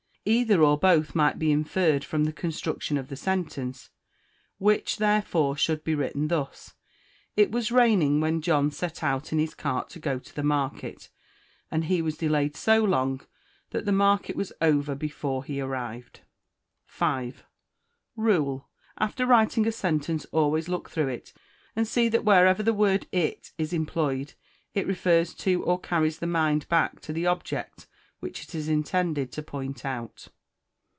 Either or both might be inferred from the construction of the sentence, which, therefore, should be written thus: "It was raining when John set out in his cart to go to the market, and he was delayed so long that the market was over before he arrived." 5. Rule. After writing a sentence always look through it, and see that wherever the word It is employed, it refers to or carries the mind back to the object which it is intended to point out.